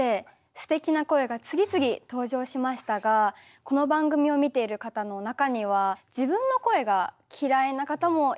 すてきな声が次々登場しましたがこの番組を見ている方の中には自分の声が嫌いな方もいると思います。